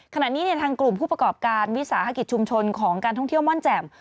ขณะนี้ทางกลุ่มผู้ประกอบการวิสาหกิจชุมชนของการท่องเที่ยวม่อนแจ่ม